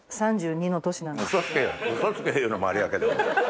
「嘘つけ」言うのもあれやけど。